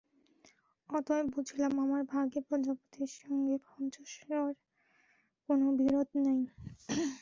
অতএব বুঝিলাম, আমরা ভাগ্যে প্রজাপতির সঙ্গে পঞ্চশরের কোনো বিরোধ নাই।